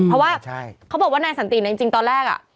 เพราะว่าเขาบอกว่านายสันติเนี่ยจริงตอนแรก